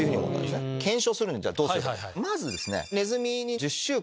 検証するにはどうすればいいか。